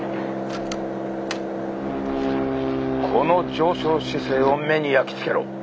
この上昇姿勢を目に焼き付けろ！